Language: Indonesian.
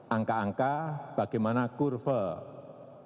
angka angka bagaimana kita bisa mencari kemampuan